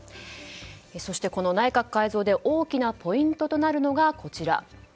そしてこの内閣改造で大きなポイントとなるのがこちら。